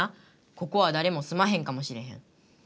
ここはだれもすまへんかもしれへん。